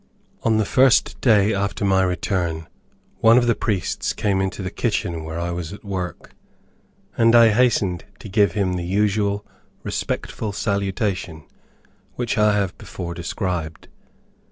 On the first day after my return one of the priests came into the kitchen where I was at work, and I hastened to give him the usual respectful salutation, which I have before described.